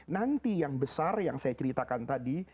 nanti yang besar yang saya ceritakan tadi